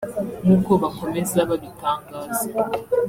nk’uko bakomeza babitangaza